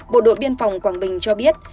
bộ đội biên phòng quảng bình cho biết